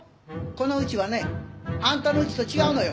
この家はねあんたの家と違うのよ。